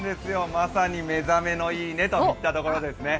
まさに「目覚めのいい音」といったところですね。